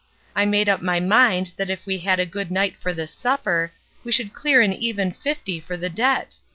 I made up my mind that if we had a good night for this supper, we should clear an even fifty for the debt.